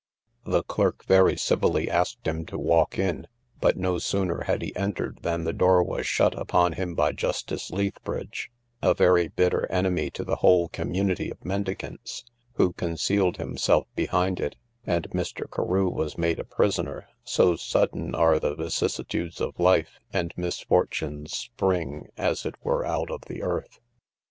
The clerk very civilly asked him to walk in; but no sooner had he entered than the door was shut upon him by Justice Leithbridge, a very bitter enemy to the whole community of mendicants, who concealed himself behind it, and Mr. Carew was made a prisoner;—so sudden are the vicissitudes of life; and misfortunes spring as it were out of the earth.